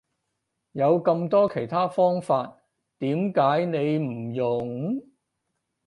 有咁多其他方法點解你唔用？